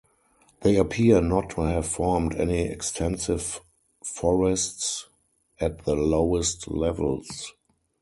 They appear not to have formed any extensive forests at the lowest levels.